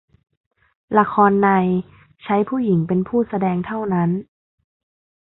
ละครใน ใช้ผู้หญิงเป็นผู้แสดงเท่านั้น